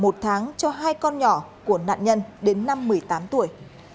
một tháng cho hai con nhỏ của nạn nhân đến năm một mươi tám tuổi